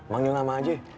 manggil nama aja